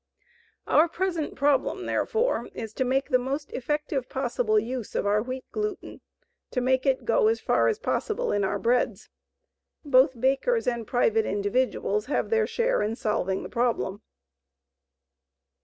OUR PRESENT PROBLEM, THEREFORE, IS TO MAKE THE MOST EFFECTIVE POSSIBLE USE OF OUR WHEAT GLUTEN, TO MAKE IT GO AS FAR AS POSSIBLE IN OUR BREADS. BOTH BAKERS AND PRIVATE INDIVIDUALS HAVE THEIR SHARE IN SOLVING THE PROBLEM.